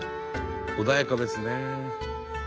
穏やかですね。